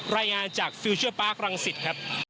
รายงานจากฟิลเชอร์ปาร์ครังสิตครับ